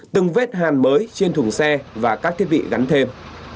từng vết hàn mới trên thùng xe và các thiết bị gắn thêm